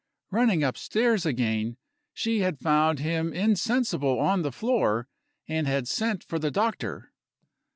Running upstairs again, she had found him insensible on the floor and had sent for the doctor.